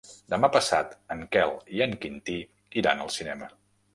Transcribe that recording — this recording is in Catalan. Demà passat en Quel i en Quintí iran al cinema.